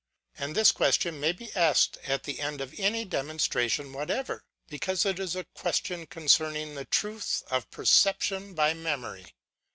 And this question may be asked at the end of any demonstra tion whatever: because it is a question concerning the truth of perception by memory.